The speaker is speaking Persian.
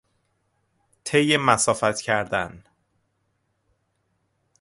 طی مسافت کردن